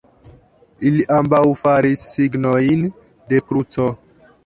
Ili ambaŭ faris signojn de kruco.